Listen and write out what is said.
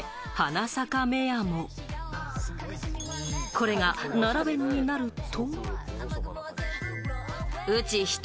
これが奈良弁になると。